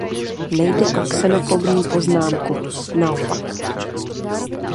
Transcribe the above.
Nejde o xenofobní poznámku, naopak.